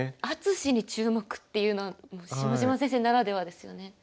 「あつし」に注目っていうのは下島先生ならではですよね。